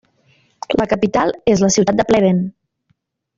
La capital és la ciutat de Pleven.